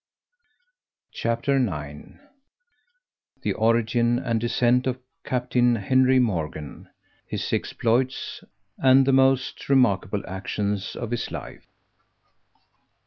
CHAPTER IX _The origin and descent of Captain Henry Morgan His exploits, and the most remarkable actions of his life.